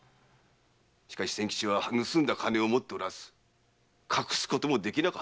しかし仙吉は盗んだ金を持っておらず隠すこともできなかったはず。